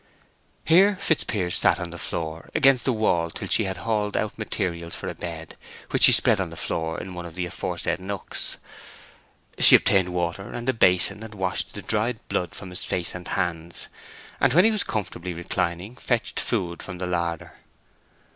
Here Fitzpiers sat on the floor against the wall till she had hauled out materials for a bed, which she spread on the floor in one of the aforesaid nooks. She obtained water and a basin, and washed the dried blood from his face and hands; and when he was comfortably reclining, fetched food from the larder.